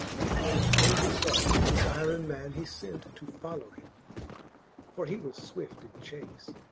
XVI. Which when he faw, his yron man he fent. To follow him , for he was fwift in chace.